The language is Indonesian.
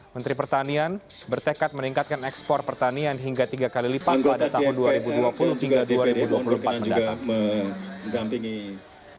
menteri pertanian bertekad meningkatkan ekspor pertanian hingga tiga kali lipat pada tahun dua ribu dua puluh hingga dua ribu dua puluh empat mendatang